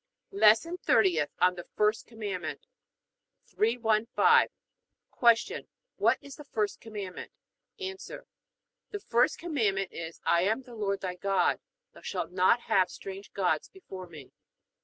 LESSON THIRTIETH ON THE FIRST COMMANDMENT 315. Q. What is the first Commandment? A. The first Commandment is: I am the Lord thy God: thou shalt not have strange gods before Me.